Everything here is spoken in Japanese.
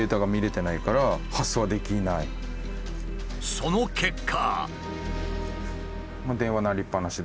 その結果。